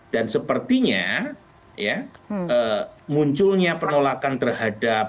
dan sepertinya munculnya penolakan terhadap